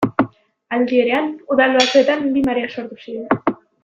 Aldi berean, udal batzuetan bi marea sortu ziren.